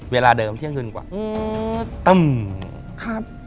เวลาเดิมเที่ยงคืนกว่า